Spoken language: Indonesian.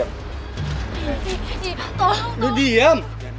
aku sudah tersuk